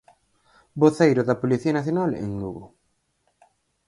Voceiro da Policía Nacional en Lugo.